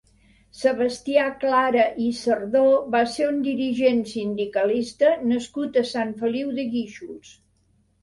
Sebastià Clara i Sardó va ser un dirigent sindicalista nascut a Sant Feliu de Guíxols.